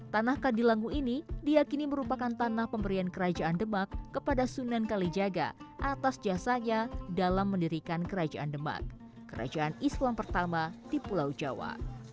tanah kadilangu ini diakini merupakan tanah pemberian kerajaan demak kepada sunan kalijaga atas jasanya dalam mendirikan kerajaan demak kerajaan islam pertama di pulau jawa